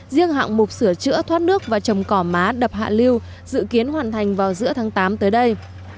riêng hạng mục sửa chữa thoát nước và trồng cỏ má đập hạ lưu dự kiến hoàn thành vào giữa tháng tám tới đây